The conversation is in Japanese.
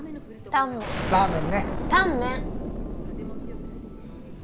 タンメン！